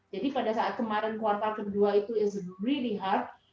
jadi pada saat kemarin kuartal ke dua itu is really hard